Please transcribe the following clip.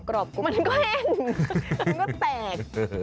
มันก็แห้งมันก็แตก